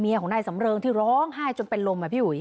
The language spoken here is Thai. เบียวแม่สำเริงที่ร้องไห้จนเป็นลมอ่ะพี่หุ่ย